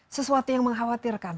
sesuatu yang mengkhawatirkan